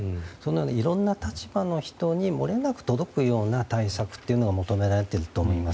いろんな立場の人にもれなく届くようにという対策というのが求められていると思います。